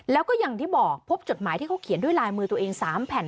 แล้วก็อย่างที่บอกพบจดหมายที่เขาเขียนด้วยลายมือตัวเอง๓แผ่น